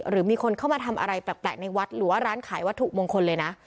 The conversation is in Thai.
หรือมีคนเข้ามาทำอะไรแปลกในวัดหรือว่าร้านขายวัตถุมงคลเลยนะ